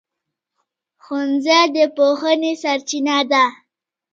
ښوونځی د پوهنې سرچینه ده.